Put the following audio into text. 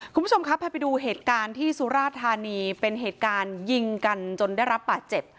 คุณผู้ชมครับพาไปดูเหตุการณ์ที่สุราธานีเป็นเหตุการณ์ยิงกันจนได้รับบาดเจ็บ